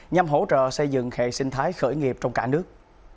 nhằm hỗ trợ xây dựng hệ sinh thái khởi nghiệp trong cả nước